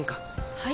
はい？